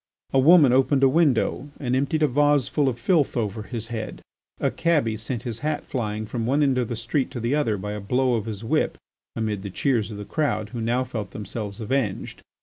A woman opened a window and emptied a vase full of filth over his head, a cabby sent his hat flying from one end of the street to the other by a blow of his whip amid the cheers of the crowd who now felt themselves avenged.